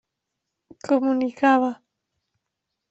Comunicava.